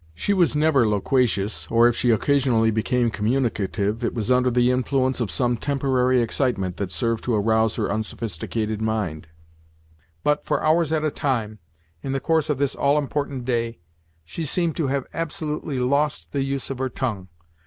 She was never loquacious, or if she occasionally became communicative, it was under the influence of some temporary excitement that served to arouse her unsophisticated mind; but, for hours at a time, in the course of this all important day, she seemed to have absolutely lost the use of her tongue.